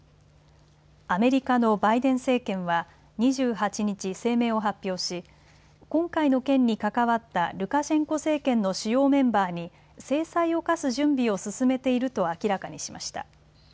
アメリカのバイデン政権は２８日、声明を発表し、今回の件に関わったルカシェンコ政権の主要メンバーに制裁を科す準備を進めていると明らかにしました。